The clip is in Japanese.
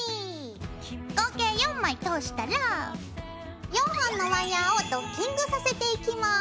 合計４枚通したら４本のワイヤーをドッキングさせていきます。